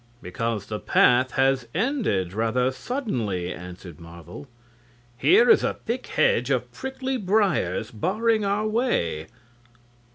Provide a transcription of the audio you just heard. "Because the path has ended rather suddenly," answered Marvel. "Here is a thick hedge of prickly briers barring our way."